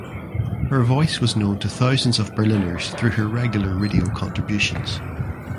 Her voice was known to thousands of Berliners through her regular radio contributions.